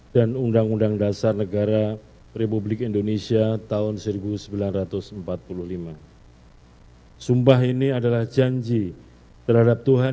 dan undang undang dasar negara republik indonesia tahun seribu sembilan ratus empat puluh lima sumpah ini adalah janji terhadap tuhan